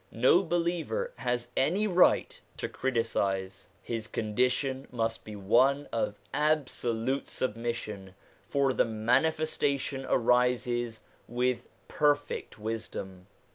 No believer has any right to criticise ; his condition must be one of absolute submission, for the Manifestation arises with perfect wisdom.